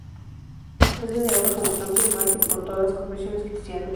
Es venerado como santo y mártir por todas las confesiones cristianas.